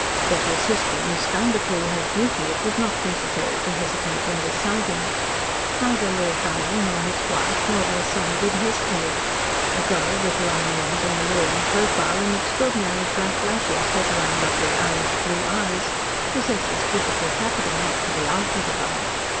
That her sister, Miss Vanderpoel, had beauty, it was not necessary to hesitate in deciding. Neither Lord Dunholm nor his wife nor their son did hesitate. A girl with long limbs an alluring profile, and extraordinary black lashes set round lovely Irish blue eyes, possesses physical capital not to be argued about.